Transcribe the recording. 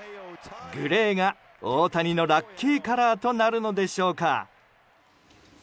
グレーが大谷のラッキーカラーとなるのでしょうか。